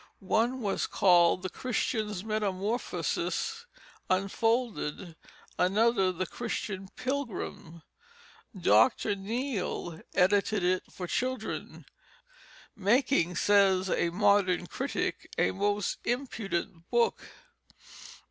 One was called The Christian's Metamorphosis Unfolded. Another The Christian Pilgrim. Dr. Neale edited it for children, making, says a modern critic, "a most impudent book."